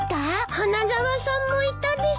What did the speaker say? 花沢さんもいたです。